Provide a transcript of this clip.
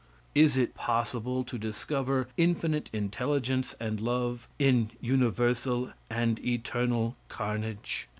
Is it possible to discover infinite intelligence and love in universal and eternal carnage?